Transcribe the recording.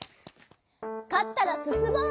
かったらすすもう！